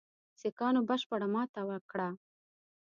سیکهانو بشپړه ماته وکړه.